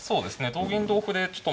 同銀同歩でちょっとまたね